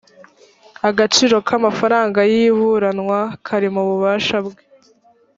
agaciro k’amafaranga y’ikiburanwa kari mu bubasha bwe